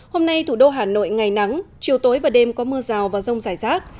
hôm nay thủ đô hà nội ngày nắng chiều tối và đêm có mưa rào và rông rải rác